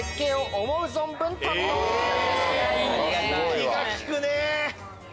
気が利くね。